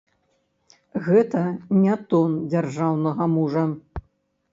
Гэта не тон дзяржаўнага мужа.